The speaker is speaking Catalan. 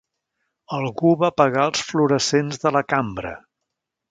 Algú va apagar els fluorescents de la cambra.